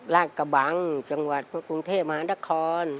กระบังจังหวัดกรุงเทพมหานคร